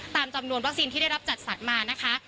ตามจำนวนวัคซีนที่ได้รับจัดสรรมานะคะ